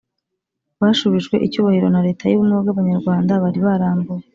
bashubijwe icyubahiro na Leta y ubumwe bw Abanyarwanda bari barambuwe